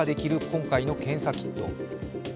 今回の検査キット。